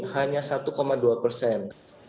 hanya satu dua persen